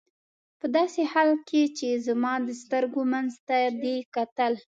په داسې حال کې چې زما د سترګو منځ ته دې کتل.